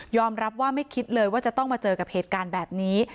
รับว่าไม่คิดเลยว่าจะต้องมาเจอกับเหตุการณ์แบบนี้